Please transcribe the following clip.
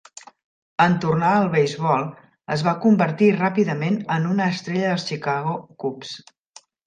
En tornar al beisbol, es va convertir ràpidament en una estrella dels Chicago Cubs.